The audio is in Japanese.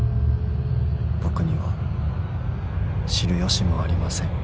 ［僕には知る由もありません］